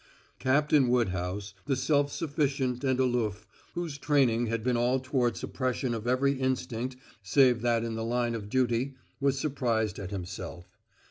Captain Woodhouse, the self sufficient and aloof, whose training had been all toward suppression of every instinct save that in the line of duty, was surprised at himself.